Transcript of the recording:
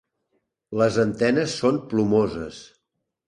Les antenes són plomoses.